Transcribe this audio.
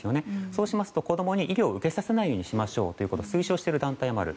そうしますと、子供に医療を受けさせないようにしましょうということを推奨している団体もある。